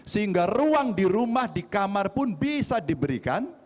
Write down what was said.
sehingga ruang di rumah di kamar pun bisa diberikan